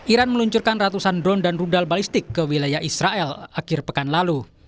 iran meluncurkan ratusan drone dan rudal balistik ke wilayah israel akhir pekan lalu